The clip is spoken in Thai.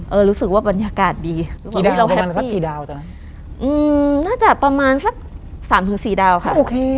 เออรู้สึกว่าบรรยากาศดีกี่ดาวประมาณสักกี่ดาวตอนนั้นอืมน่าจะประมาณสัก๓๔ดาวค่ะโอเค